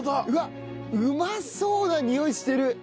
うわっうまそうなにおいしてる。